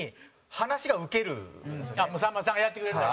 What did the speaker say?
陣内：さんまさんがやってくれるから。